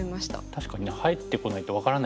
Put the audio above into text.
確かにね入ってこないと分からないっていうか